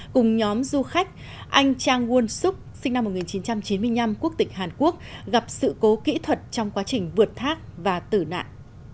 cùng nhóm du khách anh trang won suk sinh năm một nghìn chín trăm chín mươi năm quốc tịch hàn quốc gặp sự cố kỹ thuật trong quá trình vượt thác và tử nạn